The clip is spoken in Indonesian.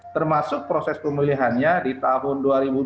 termasuk proses pemilihannya di tahun dua ribu dua puluh